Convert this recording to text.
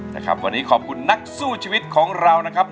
นะครับวันนี้ขอบคุณนักสู้ชีวิตของเรานะครับ